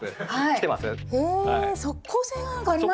へえ即効性がなんかありますね。